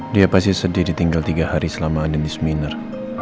dia pasti sedih ditinggal tiga hari selama andien di seminar